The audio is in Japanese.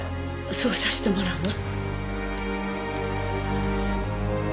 そうさせてもらうわ。